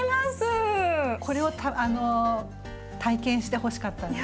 これを体験してほしかったんです。